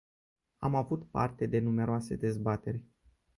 Am avut parte de numeroase dezbateri.